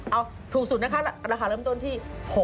เอาถูกสุดนะคะราคาเริ่มต้นที่๖๐